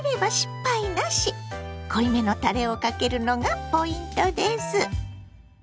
濃いめのたれをかけるのがポイントです。